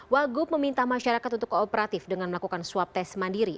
wagub meminta masyarakat untuk kooperatif dengan melakukan swab tes mandiri